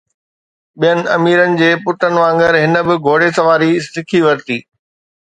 ٻين اميرن جي پٽن وانگر هن به گهوڙي سواري سکي ورتي